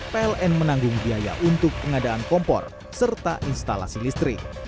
pln menanggung biaya untuk pengadaan kompor serta instalasi listrik